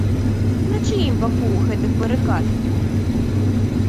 Ты на чыім баку гэтых барыкад?